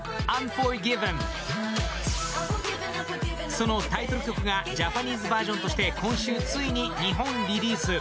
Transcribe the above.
そのタイトル曲がジャパニーズバージョンとして今週ついに日本リリース。